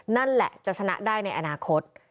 นั่นแหละจะชนะได้ในอนาคต